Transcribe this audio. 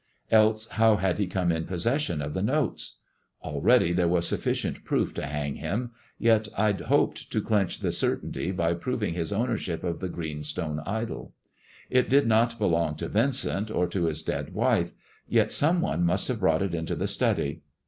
Else how had he come in possession of the notes? Already there was sufficient proof to hang him, yet I hoped to clinch the certainty by proving his ownership of the green stone idol. It did not belong to Vincent, or to his dead wife, yet some one must have brought it into the study.